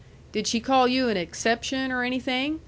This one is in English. "Did she call you an exception, or anything?"